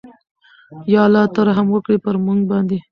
ېاالله ته رحم وکړې پرموګ باندې